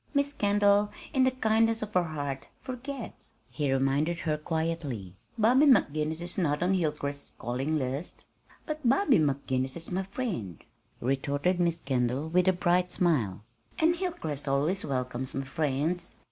"Miss Kendall, in the kindness of her heart, forgets," he reminded her quietly. "Bobby McGinnis is not on Hilcrest's calling list." "But Bobby McGinnis is my friend," retorted Miss Kendall with a bright smile, "and Hilcrest always welcomes my friends."